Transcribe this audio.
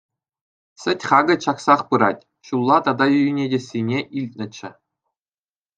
Сӗт хакӗ чаксах пырать, ҫулла тата йӳнетессине илтнӗччӗ.